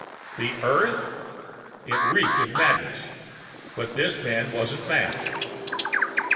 "The Earth?" It reeked of madness. But this man wasn't mad.